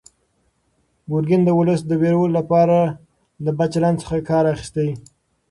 ګورګین د ولس د وېرولو لپاره له بد چلند څخه کار اخیست.